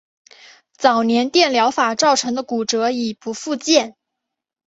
早年电疗法造成的骨折已不复见。